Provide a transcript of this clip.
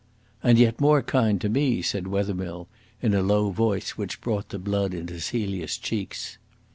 "And yet more kind to me," said Wethermill in a low voice which brought the blood into Celia's cheeks.